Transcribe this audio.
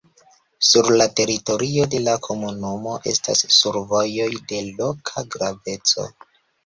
Sur la teritorio de la komunumo estas nur vojoj de loka graveco.